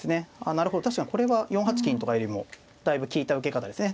なるほど確かにこれは４八金とかよりもだいぶ利いた受け方ですね。